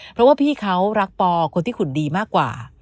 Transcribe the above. เพราะว่าพี่เขารักปอคนที่ขุนดีมากกว่า